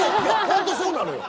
本当そうなのよ。